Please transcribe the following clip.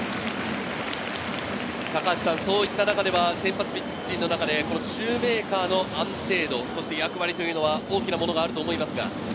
高橋さん、そういった中では先発ピッチャーの中でシューメーカーの安定度、そして役割というのは大きなものがあると思いますが。